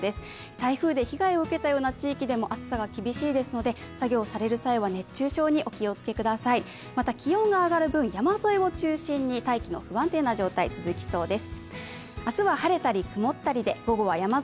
台風で被害を受けた地域でも暑くなりますので作業をされる際は熱中症にお気をつけくださいまた気温が上がる分、山沿いを中心に大気の不安定なところが続きそうです。